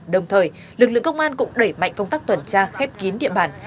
đồng thời lực lượng công an cũng đẩy mạnh công tác tuần tra khép kín địa bàn